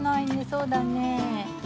そうだねえ。